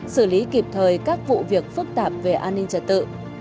xử lý kịp thời các vụ việc phức tạp về an ninh trật tự